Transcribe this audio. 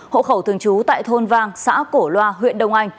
hộ khẩu thường trú tại thôn vang xã cổ loa huyện đông anh